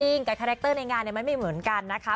จริงและเทคนาคตในงานเนี่ยมันมีเหมือนกันนะคะ